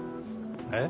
えっ？